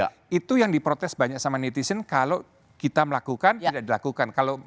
karena itu kan diprotes banyak sama netizen kalau kita melakukan tidak dilakukan